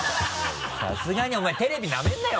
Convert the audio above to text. さすがにお前テレビなめんなよ！